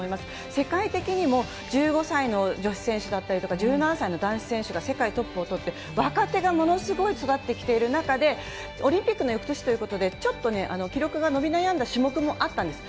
世界的にも１５歳の女子選手だったりとか、１７歳の男子選手が世界トップを取って、若手がものすごい育ってきている中で、オリンピックのよくとしということで、ちょっとね、記録が伸び悩んだ種目もあったんです。